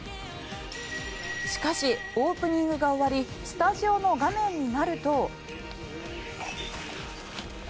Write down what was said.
しかし、オープニングが終わりスタジオの画面になると。